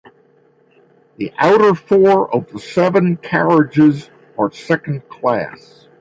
The outer four of the seven carriages are second class.